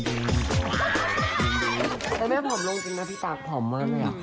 แม่ผอมลงจริงนะพี่ตั๊กผอมมากเลยอ่ะ